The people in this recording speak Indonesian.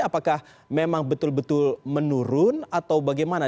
apakah memang betul betul menurun atau bagaimana